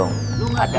tinggalkan gue dulu ya